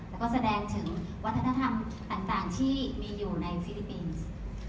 แล้วก็แสดงถึงวัฒนธรรมต่างที่มีอยู่ในฟิลิปปินส์